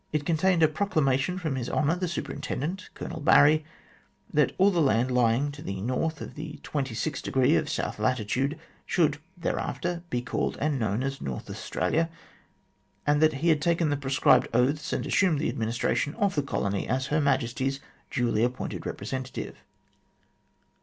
It contained a Proclamation from His Honour the Superintendent, Colonel Barney, that all the land lying to the north of the 26 of south latitude, should thereafter be called and known as North Australia, and that he had taken the prescribed oaths and assumed the adminis tration of the colony as Her Majesty's duly appointed representative.